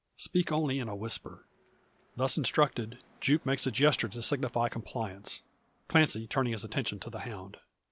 Speak only in a whisper." Thus instructed, Jupe makes a gesture to signify compliance; Clancy turning his attention to the hound.